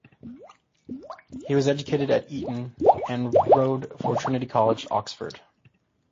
He was educated at Eton and rowed for Trinity College, Oxford.